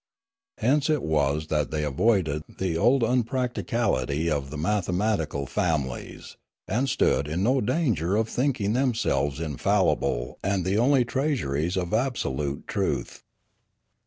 Hence it was that they avoided the old unpractical ity of the mathematical families, and stood in no danger of thinking themselves infallible and the only treasuries of absolute truth.